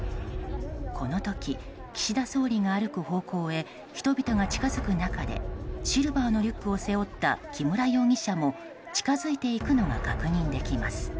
この時、岸田総理が歩く方向へ人々が近づく中でシルバーのリュックを背負った木村容疑者も近づいていくのが確認できます。